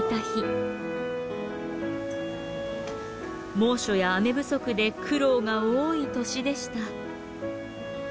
猛暑や雨不足で苦労が多い年でした。